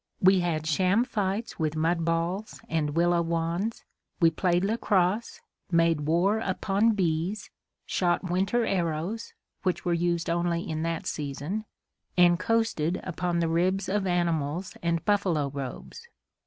We had sham fights with mud balls and willow wands; we played lacrosse, made war upon bees, shot winter arrows (which were used only in that season), and coasted upon the ribs of animals and buffalo robes.